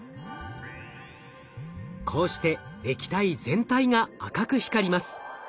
こうして液体全体が赤く光ります。